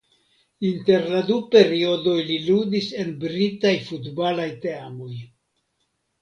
Inter la du periodoj li ludis en britaj futbalaj teamoj.